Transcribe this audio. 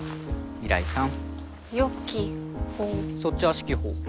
未来さん。